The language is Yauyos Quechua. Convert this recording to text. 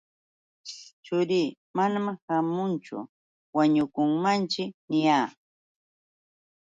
Churii manam ćhaamunchu, wañukunmanćhiki niyaa.